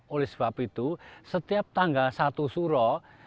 oleh sebab itu setiap tanggal satu suro